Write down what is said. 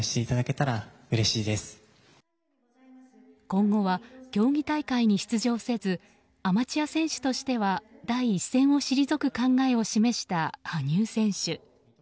今後は競技大会に出場せずアマチュア選手としては第一線を退く考えを示した羽生選手。